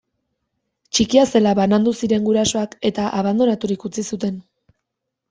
Txikia zela banandu ziren gurasoak, eta abandonaturik utzi zuten.